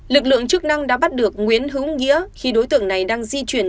lực lượng chức năng đã bắt được nguyễn hữu nghĩa khi đối tượng này đang di chuyển